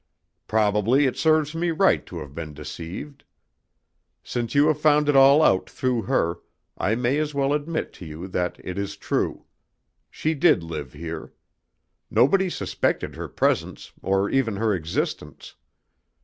Probably it serves me right to have been deceived. Since you have found it all out through her, I may as well admit to you that it is true. She did live here. Nobody suspected her presence, or even her existence.